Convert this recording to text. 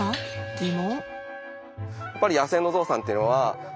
疑問。